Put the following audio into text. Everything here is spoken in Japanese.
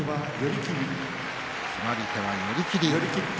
決まり手は寄り切り。